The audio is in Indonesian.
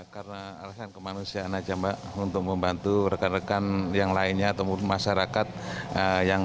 karena alasan kemanusiaan aja mbak untuk membantu rekan rekan yang lainnya temur masyarakat yang